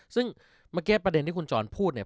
ซึ่งเมื่อกี้ประเด็นที่คุณจรพูดเนี่ย